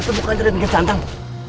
itu bukan ada dengan santang